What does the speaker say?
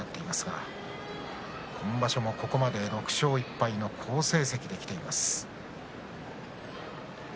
今場所もここまで６勝１敗の好成績できています。